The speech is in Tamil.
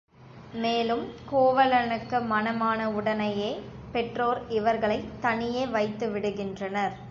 மேலும் கோவலனுக்கு மணமான உடனேயே, பெற்றோர் இவர்களை தனியே வைத்து விடுகின்றனர்.